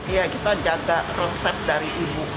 iya kita jaga resep dari ibu